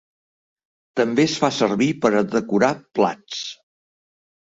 També es fa servir per decorar plats.